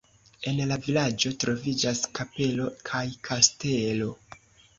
En la vilaĝo troviĝas kapelo kaj kastelo.